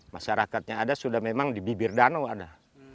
masyarakat yang ada sudah memang di bibir danau ada